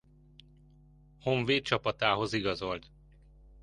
Honvéd csapatához igazolt.